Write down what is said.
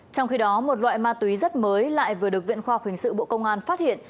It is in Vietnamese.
trong khi đó một loại ma túy rất mới lại vừa được viện khoa học hình sự bộ công an phát hiện